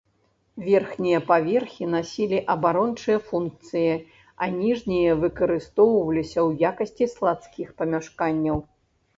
Верхнія паверхі насілі абарончыя функцыі а ніжнія выкарыстоўваліся ў якасці складскіх памяшканняў.